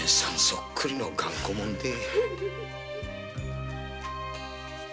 そっくりの頑固もんで。